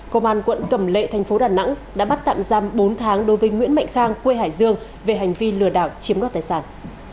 công an quận cầm lệ thành phố đà nẵng đã bắt tạm giam bốn tháng đối với nguyễn mạnh khang quê hải dương về hành vi lừa đảo chiếm đoạt tài sản